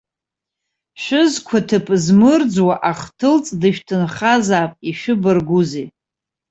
Шәызқәаҭыԥ змырӡуа ахҭылҵ дышәҭынхазаап, ишәы баргәузеи.